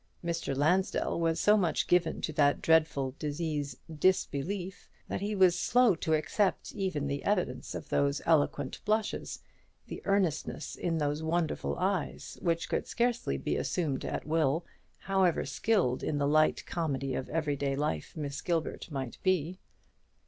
Mr. Lansdell was so much given to that dreadful disease, disbelief, that he was slow to accept even the evidence of those eloquent blushes, the earnestness in those wonderful eyes, which could scarcely be assumed at will, however skilled in the light comedy of every day life Mrs. Gilbert might be.